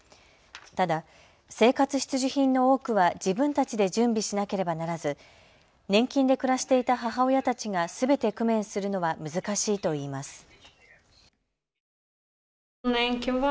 ただ生活必需品の多くは自分たちで準備しなければならず年金で暮らしていた母親たちがすべて工面するのは難しいといいます。